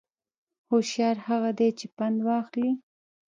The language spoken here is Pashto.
هوشیار هغه دی چې پند واخلي